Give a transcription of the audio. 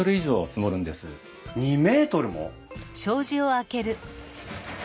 ２ｍも！？